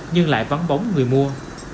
nhưng lại vắng bóng người mua